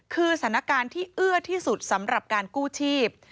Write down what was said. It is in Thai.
คือสถานการณ์ที่เอื้อที่สุดสำหรับการกู้ชีพ